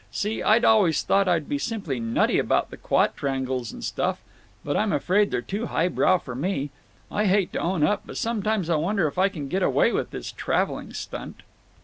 See, I'd always thought I'd be simply nutty about the quatrangles and stuff, but I'm afraid they're too highbrow for me. I hate to own up, but sometimes I wonder if I can get away with this traveling stunt."